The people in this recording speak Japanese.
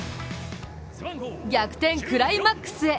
逆転クライマックスへ。